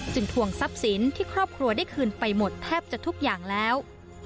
ทวงทรัพย์สินที่ครอบครัวได้คืนไปหมดแทบจะทุกอย่างแล้ว